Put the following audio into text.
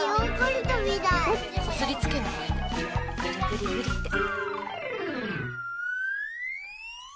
こすりつけて。